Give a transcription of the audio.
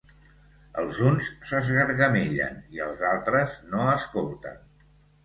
Els uns s'esgargamellen i els altres no escolten.